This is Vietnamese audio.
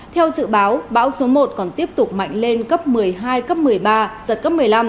theo dự báo bão số một còn tiếp tục mạnh lên cấp một mươi hai cấp một mươi ba giật cấp một mươi năm